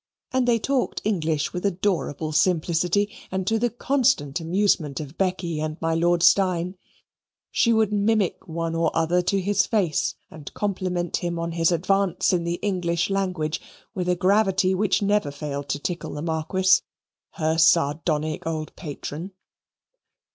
And they talked English with adorable simplicity, and to the constant amusement of Becky and my Lord Steyne, she would mimic one or other to his face, and compliment him on his advance in the English language with a gravity which never failed to tickle the Marquis, her sardonic old patron.